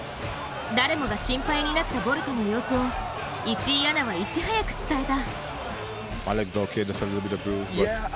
誰もが心配になったボルトの様子を石井アナはいち早く伝えた。